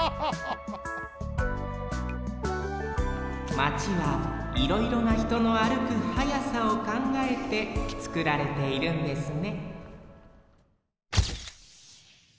マチはいろいろなひとの歩く速さをかんがえてつくられているんですね